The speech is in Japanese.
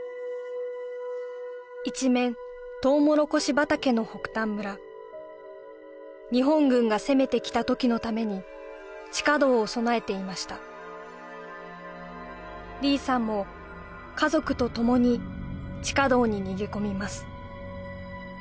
一面とうもろこし畑の北たん村日本軍が攻めてきた時のために地下道を備えていました李さんも家族とともに地下道に逃げ込みます